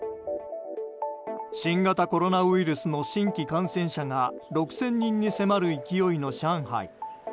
新型コロナウイルスの新規感染者が６０００人に迫る勢いの上海。